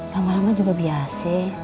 lama lama juga biasa